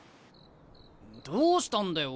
どうしたんだよ